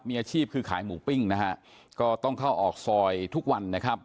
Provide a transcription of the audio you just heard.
มีอาชีพคือขายหมูปิ้งนะฮะก็ต้องเข้าออกซอยทุกวันนะครับ